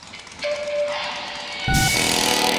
کله چې مېلمانه راغلل نو پاچا ورته شراب ورکول.